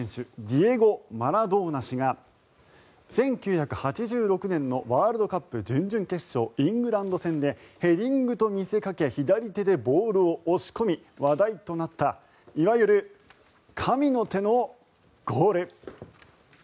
ディエゴ・マラドーナ氏が１９８６年のワールドカップ準々決勝イングランド戦でヘディングと見せかけ左手でボールを押し込み話題となったいわゆる神の手のゴール。